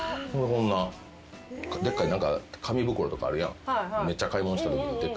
でっかい紙袋とかあるやんめっちゃ買い物したときに。